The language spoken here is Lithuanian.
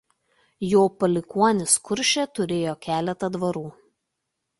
Jo palikuonys Kurše turėjo keletą dvarų.